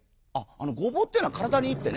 ごぼうっていうのは体にいいってね」。